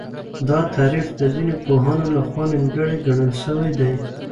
دا تعريف د ځينو پوهانو لخوا نيمګړی ګڼل سوی دی.